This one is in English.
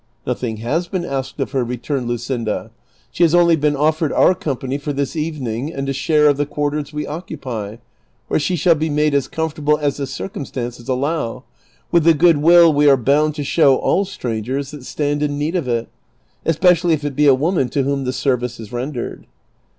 "Nothmg has been asked of her," returned Luscinda; " she has only been offered our company for this evening and a share of the quarters we occupy, where she shall be made as comfortable as the circumstances allow, with the good will we are bound to show all strangers that stand in need of it, especially if it be a woman to whom the service is rendered."